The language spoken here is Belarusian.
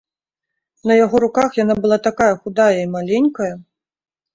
На яго руках яна была такая худая і маленькая!